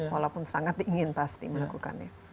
walaupun sangat ingin pasti melakukannya